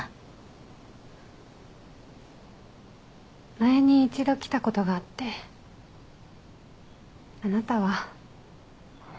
前に一度来たことがあってあなたは？